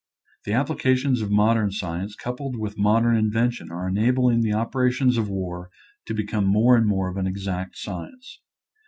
The applications of modern science coupled with modern invention are enabling the op erations of war to become more and more an exact science.